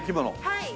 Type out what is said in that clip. はい。